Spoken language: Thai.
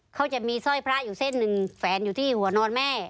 เขาจะมีสร้อยพระอยู่เส้นหนึ่งแฝนอยู่ที่หัวนอนแม่